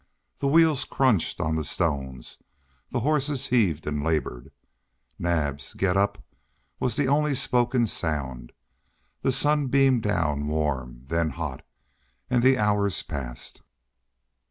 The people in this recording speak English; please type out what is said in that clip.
The wheels crunched on the stones; the horses heaved and labored; Naab's "Getup" was the only spoken sound; the sun beamed down warm, then hot; and the hours passed.